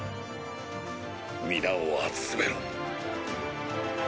皆を集めろ。